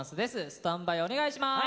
スタンバイお願いします。